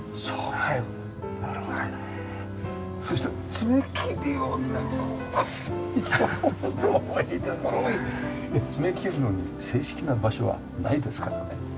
爪を切るのに正式な場所はないですからね。